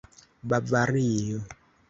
bavario